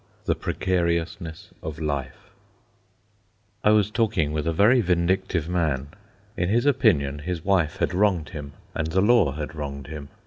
THE PRECARIOUSNESS OF LIFE I was talking with a very vindictive man. In his opinion, his wife had wronged him and the law had wronged him.